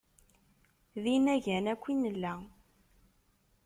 D inagan akk i nella.